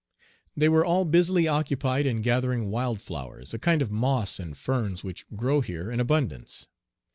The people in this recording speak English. They were all busily occupied in gathering wild flowers, a kind of moss and ferns which grow here in abundance.